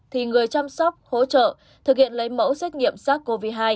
thì người chăm sóc hỗ trợ thực hiện lấy mẫu xét nghiệm sars cov hai